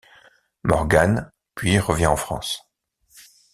Morgan, puis revient en France.